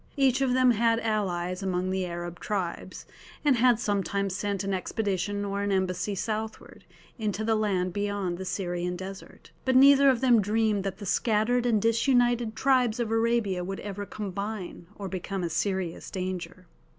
Each of them had allies among the Arab tribes, and had sometimes sent an expedition or an embassy southward, into the land beyond the Syrian desert. But neither of them dreamed that the scattered and disunited tribes of Arabia would ever combine or become a serious danger.